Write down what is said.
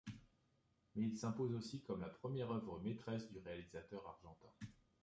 Mais, il s'impose aussi comme la première œuvre maîtresse du réalisateur argentin.